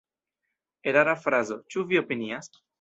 Erara frazo, ĉu vi opinias?